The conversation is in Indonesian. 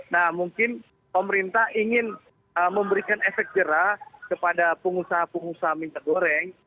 nah mungkin pemerintah ingin memberikan efek jerah kepada pengusaha pengusaha minyak goreng